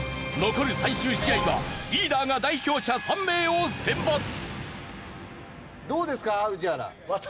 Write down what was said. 残る最終試合はリーダーが代表者３名を選抜。